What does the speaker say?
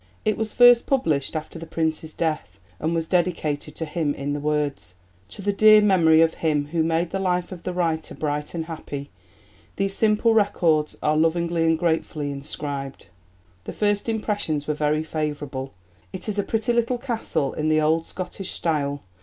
It was first published after the Prince's death and was dedicated to him in the words: "To the dear memory of him who made the life of the writer bright and happy, these simple records are lovingly and gratefully inscribed." The first impressions were very favourable: "It is a pretty little castle in the old Scottish style.